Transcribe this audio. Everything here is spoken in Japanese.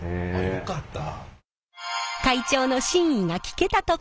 よかった